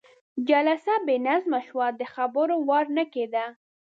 جلسه بې نظمه شوه، د خبرو وار نه کېده.